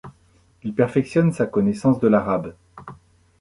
Il perfectionne sa connaissance de l'arabe.